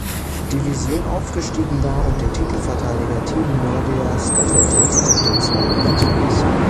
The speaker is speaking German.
Division aufgestiegen war und den Titelverteidiger Team Nordea Skanderborg auf den zweiten Platz verwies.